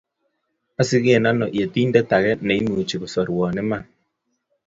Asige ano Yetindet age ne imuchi kosorua iman?